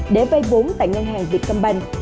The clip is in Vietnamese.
để vây vốn tại ngân hàng việt cầm bành